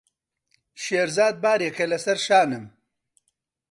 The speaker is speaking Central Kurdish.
شێرزاد بارێکە لەسەر شانم.